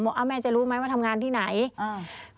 อ่าแม่จะรู้ไหมว่าทำงานที่ไหนอ่า